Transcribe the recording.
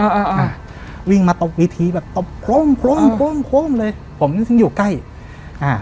อ่าวิ่งมาตกวิธีแบบเลยผมนี่ซึ่งอยู่ใกล้อ่า